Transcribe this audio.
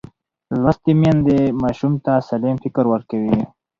لوستې میندې ماشوم ته سالم فکر ورکوي.